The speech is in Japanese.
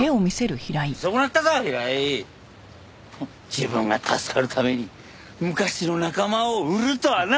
自分が助かるために昔の仲間を売るとはな！